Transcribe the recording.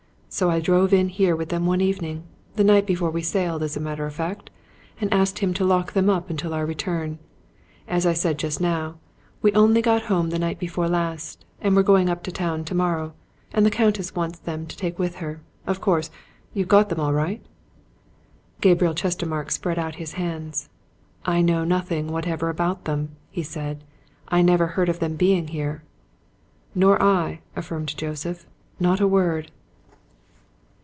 So I drove in here with them one evening the night before we sailed, as a matter of fact and asked him to lock them up until our return. And as I said just now, we only got home the night before last, and we're going up to town tomorrow, and the Countess wants them to take with her. Of course, you've got 'em all right?" Gabriel Chestermarke spread out his hands. "I know nothing whatever about them!" he said. "I never heard of them being here." "Nor I," affirmed Joseph. "Not a word!"